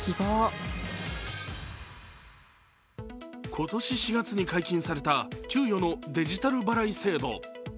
今年４月に解禁された給与のデジタル払い制度。